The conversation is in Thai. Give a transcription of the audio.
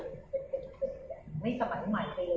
หรือเป็นอะไรที่คุณต้องการให้ดู